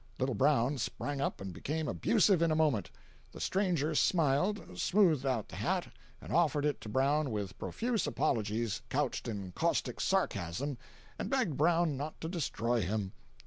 Little Brown sprang up and became abusive in a moment. The stranger smiled, smoothed out the hat, and offered it to Brown with profuse apologies couched in caustic sarcasm, and begged Brown not to destroy him.